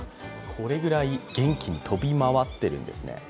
これぐらい元気に飛び回っているんですね。